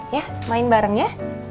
ya main bareng ya